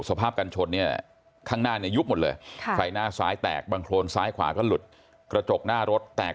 สภาพกันชนทรอบเอิ้นนี้ข้างหน้ายุคหมดเลยในฟังนะสายแตกบังโครนซ้ายขวาก็หลุดกระจกหน้ารถแตก